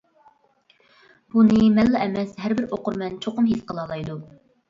بۇنى مەنلا ئەمەس ھەر بىر ئوقۇرمەن چوقۇم ھېس قىلالايدۇ.